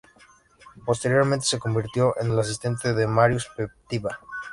Posteriormente se convirtió en el asistente de Marius Petipa.